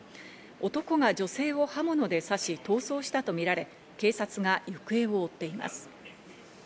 男が女性を刃物で刺し、逃走したとみられ、警察が行方を追っています。